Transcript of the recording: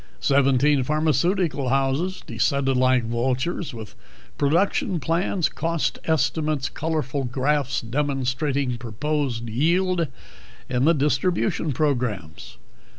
Seventeen pharmaceutical houses descended like vultures with production plans, cost estimates, colorful graphs demonstrating proposed yield and distribution programs.